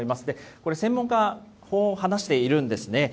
これ専門家、こう話しているんですね。